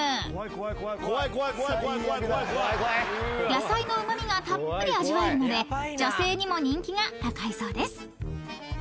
［野菜のうま味がたっぷり味わえるので女性にも人気が高いそうです］